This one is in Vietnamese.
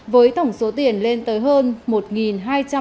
với tổng số tiền lên tới hơn